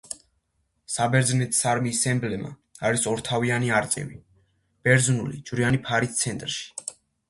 საბერძნეთის არმიის ემბლემა არის ორთავიანი არწივი ბერძნული ჯვრიანი ფარით ცენტრში.